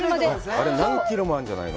あれ、何キロもあるんじゃないの？